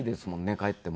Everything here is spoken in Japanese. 帰ってもね。